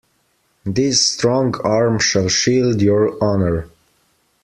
This strong arm shall shield your honor.